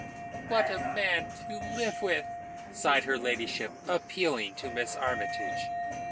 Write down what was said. "What a man to live with!" sighed her ladyship, appealing to Miss Armytage.